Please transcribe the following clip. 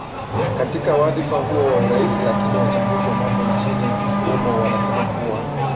katika wadhifa huo wa urais lakini wachambuzi wa mambo nchini humo wanasema kuwa